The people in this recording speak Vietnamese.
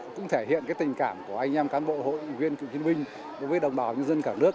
cũng thể hiện tình cảm của anh em cán bộ hội viên cựu chiến binh đối với đồng bào nhân dân cả nước